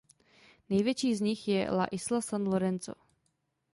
Největší z nich je La Isla San Lorenzo.